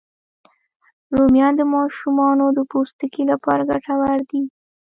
رومیان د ماشومانو د پوستکي لپاره ګټور دي